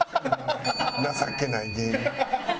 情けない芸人。